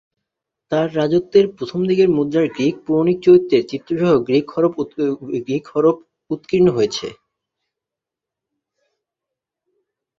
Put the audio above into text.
তার রাজত্বের প্রথম দিকের মুদ্রায় গ্রিক পৌরাণিক চরিত্রের চিত্র সহ গ্রিক হরফ উৎকীর্ণ হয়েছে।